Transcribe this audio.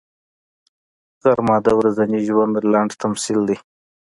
غرمه د ورځني ژوند لنډ تمثیل دی